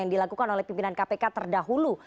yang dilakukan oleh pimpinan kpk terdahulu